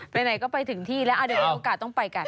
ไหนก็ไปถึงที่แล้วเดี๋ยวมีโอกาสต้องไปกัน